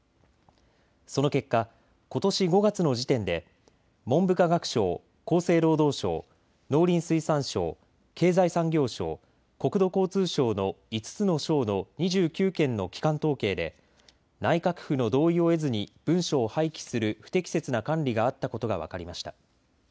その結果、ことし５月の時点で文部科学省、厚生労働省、農林水産省、経済産業省、国土交通省の５つの省の２９件の基幹統計で内閣府の同意を得ずに文書を廃棄する不適切な管理があったことが分かりました。